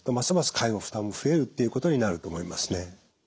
介護負担も増えるっていうことになると思いますね。